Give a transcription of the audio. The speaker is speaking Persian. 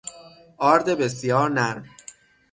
آرد بسیار نرم